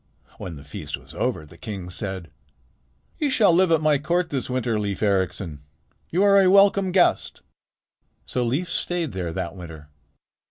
When the feast was over the king said: "You shall live at my court this winter, Leif Ericsson. You are a welcome guest." So Leif stayed there that winter.